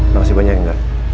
makasih banyak ya gar